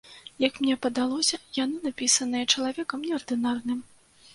Як мне падалося, яны напісаныя чалавекам неардынарным.